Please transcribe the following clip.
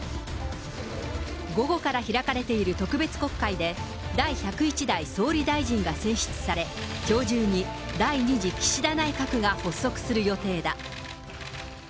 午後から開かれている特別国会で、第１０１代総理大臣が選出され、きょう中に第２次岸田内閣が発足する予定だ。